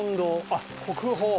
あっ国宝。